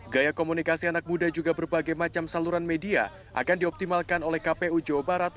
gaya komunikasi anak muda juga berbagai macam saluran media akan dioptimalkan oleh kpu jawa barat